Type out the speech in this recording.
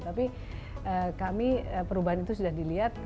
tapi kami perubahan itu sudah dilihat